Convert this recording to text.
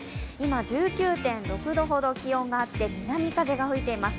今、１９．６度ほど気温があって南風が吹いています